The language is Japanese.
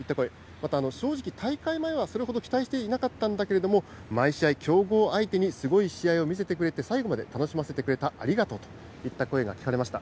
また正直、大会前はそれほど期待していなかったんだけれども、毎試合、強豪相手にすごい試合を見せてくれて、最後まで楽しませてくれた、ありがとうといった声が聞かれました。